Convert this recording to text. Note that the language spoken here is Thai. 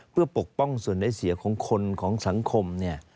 เพื่อปกป้องส่วนได้เสียของคนของสังคมเนี่ย